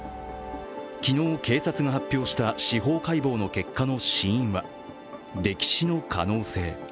昨日、警察が発表した司法解剖の結果の死因は、溺死の可能性。